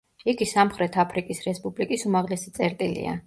იგი სამხრეთ აფრიკის რესპუბლიკის უმაღლესი წერტილია.